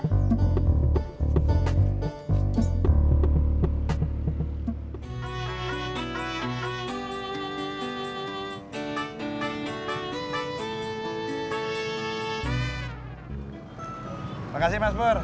terima kasih mas pur